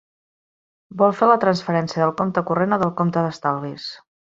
Vol fer la transferència del compte corrent o del compte d'estalvis?